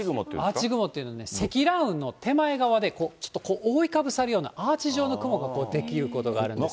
アーチ雲っていう、積乱雲の手前側で、ちょっと覆いかぶさるような、アーチ状の雲が出来ることがあるんですね。